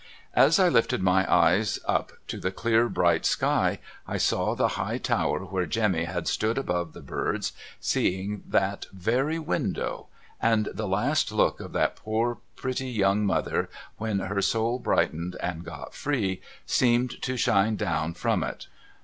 As I lifted my eyes up to the clear bright sky, I saw the high tower where Jemmy had stood above the birds, seeing that very window ; and the last look of that poor pretty young mother when her soul brightened and got free, seemed to shine down from it.